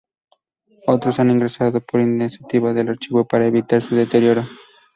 Otros han ingresado por iniciativa del Archivo para evitar su deterioro.